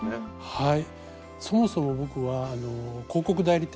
はい。